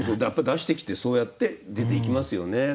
やっぱ出してきてそうやって出ていきますよね。